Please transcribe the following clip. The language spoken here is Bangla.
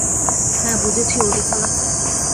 হ্যাঁ বুঝেছি, ওডি খালা।